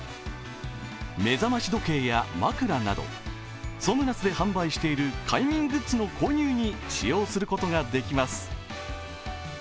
目覚まし時計や枕などＳｏｍｎｕｓで販売している快眠グッズの購入に使用することができます。